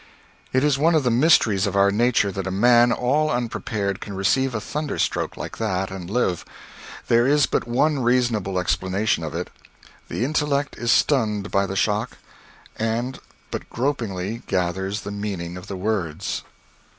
It is one of the mysteries of our nature that a man, all unprepared, can receive a thunder stroke like that and live. There is but one reasonable explanation of it. The intellect is stunned by the shock, and but gropingly gathers the meaning of the words.